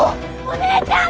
お姉ちゃん！